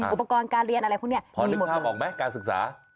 อุปกรณ์การเรียนอะไรพวกนี้พอนึกภาพออกไหมการศึกษา